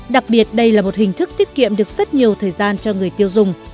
đặc biệt đây là một hình thức tiết kiệm được rất nhiều thời gian cho người tiêu dùng